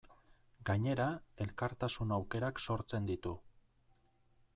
Gainera, elkartasun aukerak sortzen ditu.